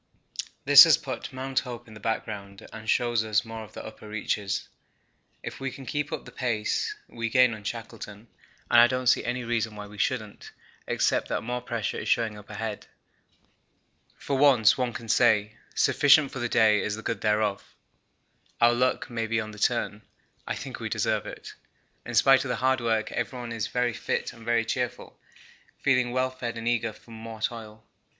This has put Mount Hope in the background and shows us more of the upper reaches. If we can keep up the pace, we gain on Shackleton, and I don't see any reason why we shouldn't, except that more pressure is showing up ahead. For once one can say 'sufficient for the day is the good thereof.' Our luck may be on the turn I think we deserve it. In spite of the hard work everyone is very fit and very cheerful, feeling well fed and eager for more toil.